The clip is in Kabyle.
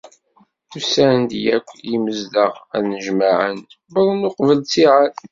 Usan-d yakk yimezdaɣ, ad nnejmaɛen, wwḍen uqbel ttiɛad.